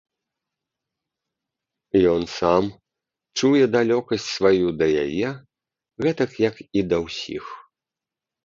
Ён сам чуе далёкасць сваю да яе, гэтак як і да ўсіх.